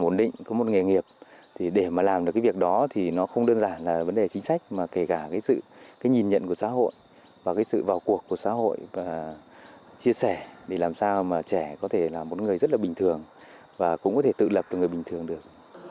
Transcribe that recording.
và cũng có thể tự lập cho người bình thường được